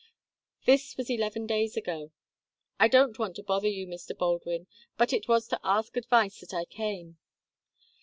"This was eleven days ago. I don't want to bother you, Mr. Baldwin, but it was to ask advice that I came.